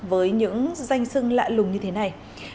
với những danh sưng lạ lùng như thế này